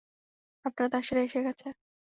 আপনার দাসেরা এসে গেছে।